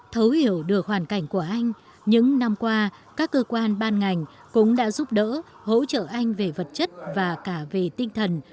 thấu hiểu được hoàn cảnh của anh những năm qua các cơ quan ban ngành cũng đã giúp đỡ hỗ trợ anh về vật chất và cả về tinh thần